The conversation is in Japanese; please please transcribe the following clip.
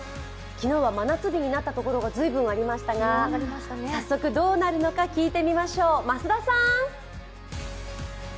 昨日は真夏日になったところが随分ありましたが、早速どうなるのか聞いてみましょう、増田さん。